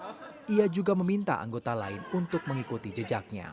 dia juga meminta anggota lain untuk mengikuti jejaknya